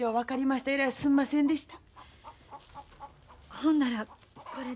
すんませんでした。